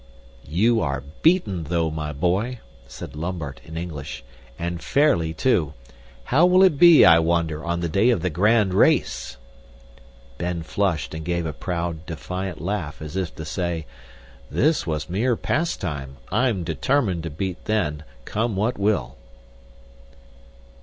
"You are beaten, though, my boy," said Lambert in English, "and fairly too. How will it be, I wonder, on the day of the grand race?" Ben flushed and gave a proud, defiant laugh, as if to say, "This was mere pastime. I'm DETERMINED to beat then, come what will!"